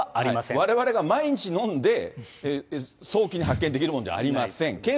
われわれが毎日飲んで、早期発見できるものじゃありません。